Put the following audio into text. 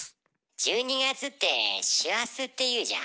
１２月って師走って言うじゃん？